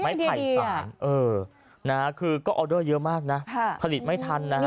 ไผ่สารเออนะฮะคือก็ออเดอร์เยอะมากนะผลิตไม่ทันนะฮะ